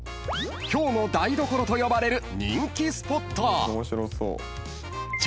京の台所と呼ばれる人気スポット］